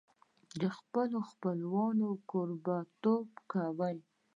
د خپلو خپلوانو کوربهتوب کوي.